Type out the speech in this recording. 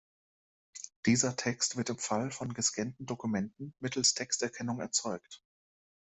Dieser Text wird im Fall von gescannten Dokumenten mittels Texterkennung erzeugt.